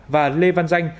và lê văn danh